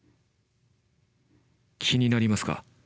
気になりますか？